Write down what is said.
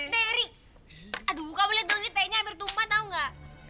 teri aduh kamu liat dong ini tehnya hampir tumpah tau nggak